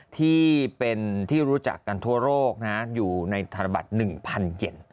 ที่เป็นที่รู้จักกันทั่วโลกอยู่ในธนบัตร๑๐๐เย็น